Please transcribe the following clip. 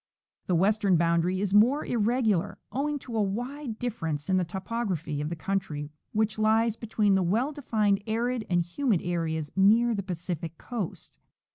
The western boundary is more irregular, owing to a wide differ ence in the topography of the country which lies between the well defined arid and humid areas near the Pacific coast.